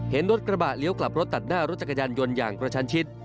เห็นรถกระบะเลี้ยวกลับรถตัดหน้ารถจักรยานยนต์อย่างกระชันชิด